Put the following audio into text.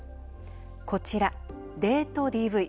こちら、デートＤＶ。